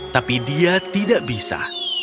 tapi dia tidak bisa